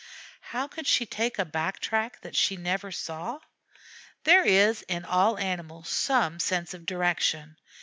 How could she take a back track that she never saw? There is in all animals some sense of direction.